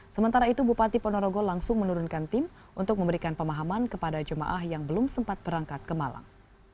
sementara itu bupati ponorogo langsung menurunkan tim untuk memberikan pemahaman kepada jemaah yang belum sempat berangkat ke malang